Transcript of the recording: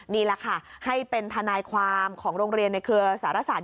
นี่แหละค่ะให้เป็นทนายความของโรงเรียนในเครือสารศาสต